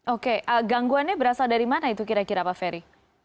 oke gangguannya berasal dari mana itu kira kira pak ferry